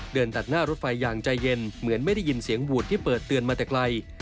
เดินตัดหน้ารถไฟอย่างใจเย็นเหมือนไม่ได้ยินเสียงหวูดที่เปิดเตือนมาแต่ไกล